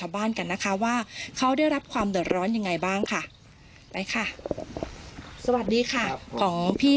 บ้านเราได้รับความเดิดร้อยอย่างไรบ้างคะพี่